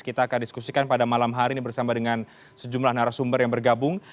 kita akan diskusikan pada malam hari ini bersama dengan sejumlah narasumber yang bergabung